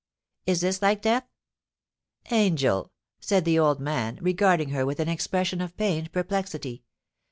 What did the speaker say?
Is this like death ?Angel,' said the old man, regarding her with an expression of pained perplexity.